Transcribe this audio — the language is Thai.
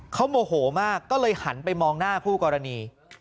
เขาโมโหมากก็เลยหันไปมองหน้าคู่กรณี